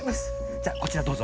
じゃこちらどうぞ。